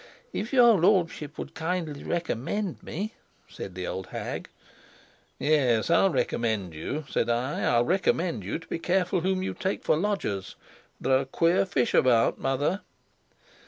"If your lordship would kindly recommend me " said the old hag. "Yes, I'll recommend you," said I. "I'll recommend you to be careful whom you take for lodgers. There are queer fish about, mother."